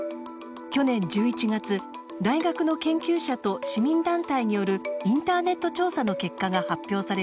去年１１月大学の研究者と市民団体によるインターネット調査の結果が発表されました。